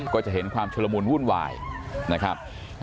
ก็จะเห็นความชุลมูลวุ่นวายนะครับ